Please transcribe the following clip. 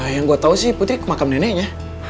yang gue tau sih putri ke makam neneknya